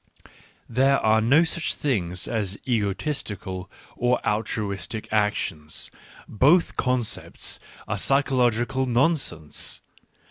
... There are no such things as egoistic or altruistic actions : both concepts are psychological nonsense.